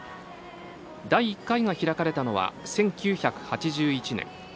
第１回が開かれたのは１９８１年。